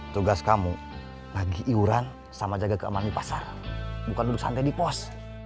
tugas kamu lagi iuran sama jaga keamanan di pasar bukan duduk santai di pos